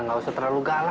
nggak usah terlalu galak